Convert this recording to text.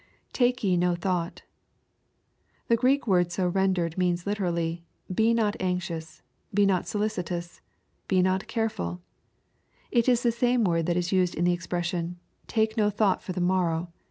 [Toike ye no ihought^ The Greek word so rendered means literally, "Be not anxious, — ^be not solicitous, — be not carefiiL" It is the same word that is used in the expressions, " Take no thought for the morrow."